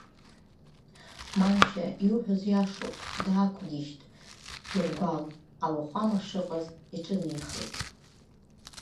Манча, иуҳәаз иашоуп, даақәгьежьит Гьыргәал, ауахәама шыҟаз иҿынеихеит.